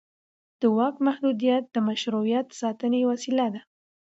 د واک محدودیت د مشروعیت ساتنې وسیله ده